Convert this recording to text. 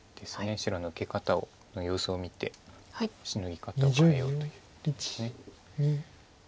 白の受け方の様子を見てシノギ方を変えようという手です。